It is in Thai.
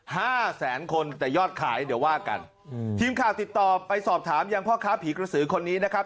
ห้าแสนคนแต่ยอดขายเดี๋ยวว่ากันอืมทีมข่าวติดต่อไปสอบถามยังพ่อค้าผีกระสือคนนี้นะครับ